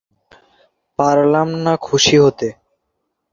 পারলাম না খুশি হতে।